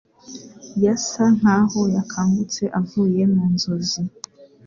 Yasa nkaho yakangutse avuye mu nzozi.